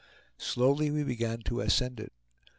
Slowly we began to ascend it.